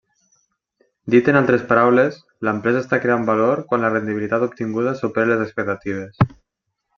Dit en altres paraules, l'empresa està creant valor quan la rendibilitat obtinguda supera les expectatives.